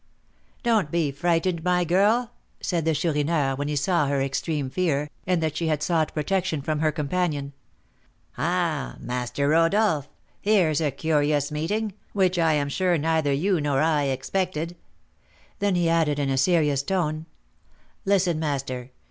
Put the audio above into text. "Don't be frightened, my girl," said the Chourineur, when he saw her extreme fear, and that she had sought protection from her companion. "Ah, Master Rodolph, here's a curious meeting, which I am sure neither you nor I expected." Then he added, in a serious tone, "Listen, master.